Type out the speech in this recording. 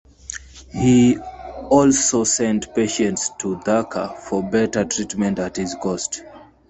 He also sent patients to Dhaka for better treatment at his cost.